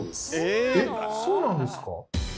えっそうなんですか？